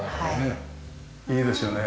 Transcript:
いいですよね。